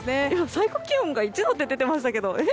最高気温が１度って出てましたよ？